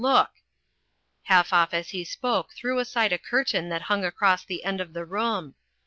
Look " Halfoff as he spoke threw aside a curtain that hung across the end of the room.